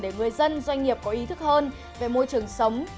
để người dân doanh nghiệp có ý thức hơn về môi trường sống